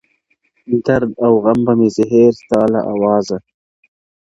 درد او غم به مي سي هېر ستا له آوازه-